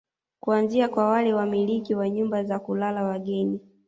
Kuanzia kwa wale wamiliki wa nyumba za kulala wageni